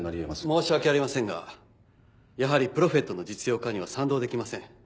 申し訳ありませんがやはりプロフェットの実用化には賛同できません。